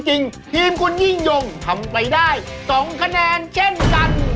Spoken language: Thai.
ทีมคุณยิ่งยงทำไปได้๒คะแนนเช่นกัน